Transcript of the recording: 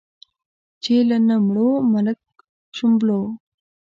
چې له نه مړو، ملک شوبلو.